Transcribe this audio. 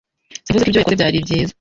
Simvuze ko ibyo yakoze byari byiza.